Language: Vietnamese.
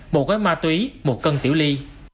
một gói ma túy một cân tiểu ly